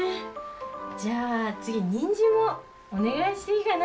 じゃあ次ニンジンもお願いしていいかな？